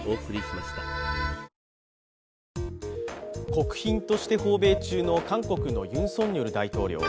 国賓として訪米中の韓国のユン・ソンニョル大統領。